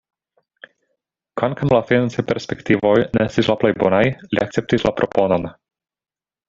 Kvankam la financaj perspektivoj ne estis la plej bonaj, li akceptis la proponon.